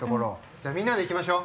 じゃあみんなで行きましょう。